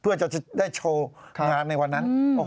เพื่อจะได้โชว์งานในวันนั้น